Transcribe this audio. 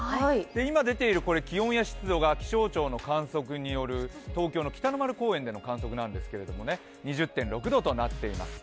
今出ている気温や湿度が気象庁による観測による東京の北の丸公園での観測なんですが、２０．６度となっています。